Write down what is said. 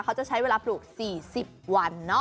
เขาจะใช้เวลาปลูก๔๐วัน